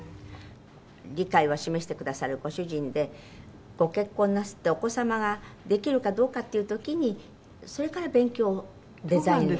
理解を示してくださるご主人でご結婚なさってお子様ができるかどうかっていう時にそれから勉強をデザインを。